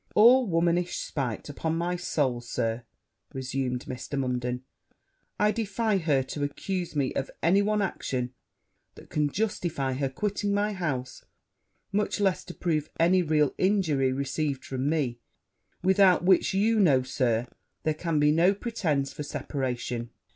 'All womanish spite, upon my soul, Sir!' resumed Mr. Munden; 'I defy her to accuse me of any one action that can justify her quitting my house, much less to prove any real injury received from me; without which, you know, Sir, there can be no pretence for separation.'